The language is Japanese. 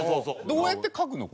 どうやってって書くの？